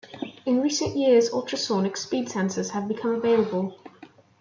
In recent years ultrasonic speed sensors have become available.